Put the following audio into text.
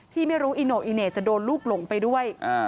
ที่ไม่รู้อีโน่อีเหน่จะโดนลูกหลงไปด้วย